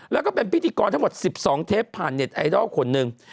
แล้วก็เป็นพิธีกรทั้งหมด๑๒เทปผ่านเน็ตไอดอลคนหนึ่ง